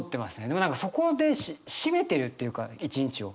でも何かそこで締めてるっていうか１日を。